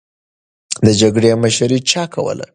د جګړې مشري چا کوله؟